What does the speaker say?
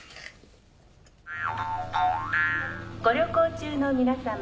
ご旅行中の皆様